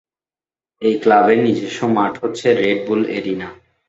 এই ক্লাবের নিজস্ব মাঠ হচ্ছে রেড বুল এরিনা।